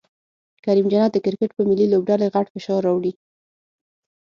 کریم جنت د کرکټ په ملي لوبډلې غټ فشار راوړي